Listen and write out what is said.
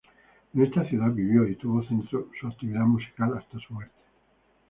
En esta ciudad vivió y tuvo centro su actividad musical, hasta su muerte.